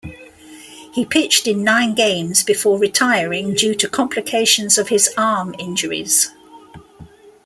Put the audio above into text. He pitched in nine games before retiring due to complications of his arm injuries.